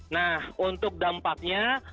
nah untuk dampaknya